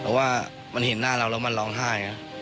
เพราะว่ามันเห็นหน้าเราแล้วมันร้องไห้